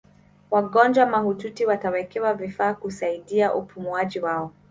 wagonjwa mahututi watawekewa vifaa kusaidia upumuaji wao